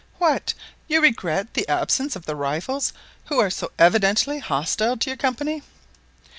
"What! you regret the absence of the rivals who are so evidently hostile to your Company?"